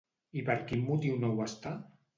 I per quin motiu no ho està?